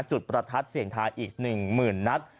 จุดประทัดเสี่ยงทายอีก๑๐๐๐๐นัด